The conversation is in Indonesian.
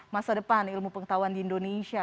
masa depan ilmu pengetahuan di indonesia